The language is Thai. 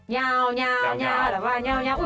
ยาวหรือว่ายาวอุ่น